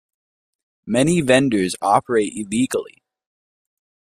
Many vendors operate illegally.